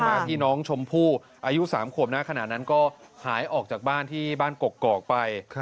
มาที่น้องชมพู่อายุ๓ขวบหน้าขณะนั้นก็หายออกจากบ้านที่บ้านกกอกไป